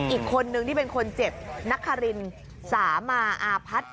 อีกคนนึงที่เป็นคนเจ็บนักคารินสามาอาพัฒน์